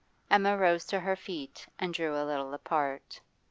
Emma rose to her feet and drew a little apart.